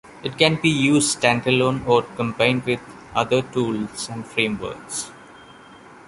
It can be used standalone or combined with other tools and frameworks.